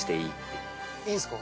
いいんすか？